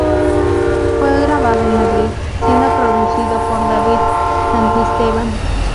Fue grabado en Madrid, siendo producido por David Santisteban.